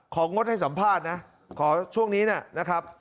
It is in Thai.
งดให้สัมภาษณ์นะขอช่วงนี้นะครับ